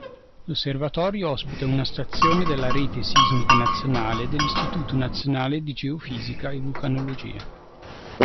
L'Osservatorio ospita una stazione della Rete Sismica Nazionale dell'Istituto Nazionale di Geofisica e Vulcanologia.